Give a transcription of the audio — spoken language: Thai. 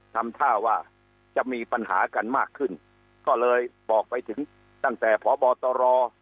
ทำท่าว่าจะมีปัญหากันมากขึ้นก็เลยบอกไปถึงตั้งแต่พบตร